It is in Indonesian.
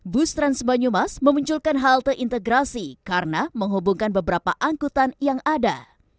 bus trans banyumas memunculkan halte integrasi karena menghubungkan beberapa angkutan yang ada